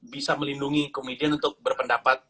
bisa melindungi komedian untuk berpendapat